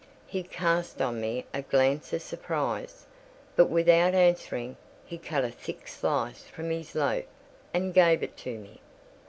He cast on me a glance of surprise; but without answering, he cut a thick slice from his loaf, and gave it to me.